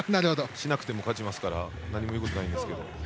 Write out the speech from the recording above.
しなくても勝ちますから何も言うことないんですけど。